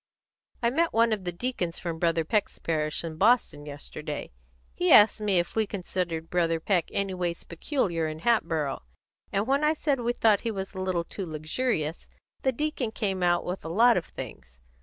"I met one of the deacons from Brother Peck's last parish, in Boston, yesterday. He asked me if we considered Brother Peck anyways peculiar in Hatboro', and when I said we thought he was a little too luxurious, the deacon came out with a lot of things.